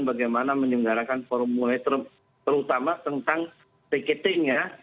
bagaimana menyebarakan formula terutama tentang ticketingnya